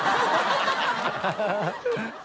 ハハハ